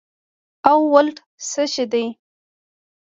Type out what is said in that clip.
او ولټ څه شي دي